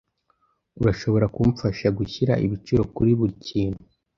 Urashobora kumfasha gushyira ibiciro kuri buri kintu?